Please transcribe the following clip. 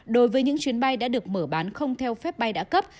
đối với những chuyến bay đã được mở bán không theo phép bay đã cấp